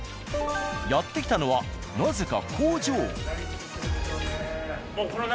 やって来たのはなぜか工場。